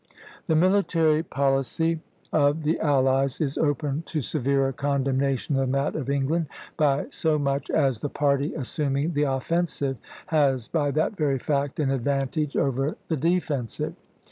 The military policy of the allies is open to severer condemnation than that of England, by so much as the party assuming the offensive has by that very fact an advantage over the defensive.